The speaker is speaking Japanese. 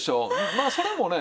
まあそれもね